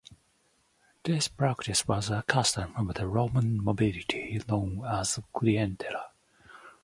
This practice was a custom of the Roman nobility known as "clientela".